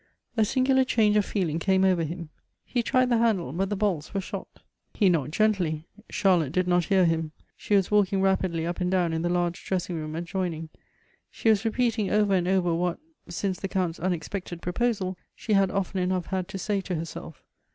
A singular change of feeling came over him. He tiied the handle, but the bolts were shot. He knocked gently. Charlotte did not hear him. She was walking rapidly up and down in the large dressing room adjoin ing. She was repeating over and over what, since the Count's unexpected proposal, she had often enough had to say to herself.